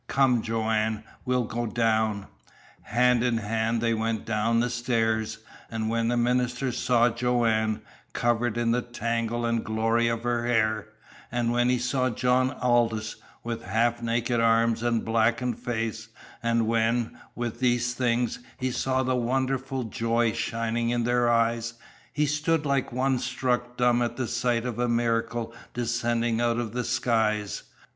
"Come, Joanne. We will go down." Hand in hand they went down the stair; and when the minister saw Joanne, covered in the tangle and glory of her hair; and when he saw John Aldous, with half naked arms and blackened face; and when, with these things, he saw the wonderful joy shining in their eyes, he stood like one struck dumb at sight of a miracle descending out of the skies.